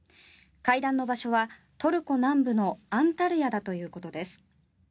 会談の場所はトルコ南部のアンタルヤだということです。